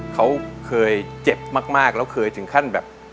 เขาเคยเจ็บมากแล้วเคยถึงขั้นแบบ